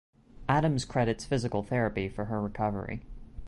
Adams credits physical therapy for her recovery.